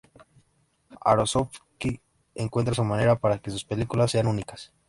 Aronofsky encuentra su manera para que sus películas sean únicas.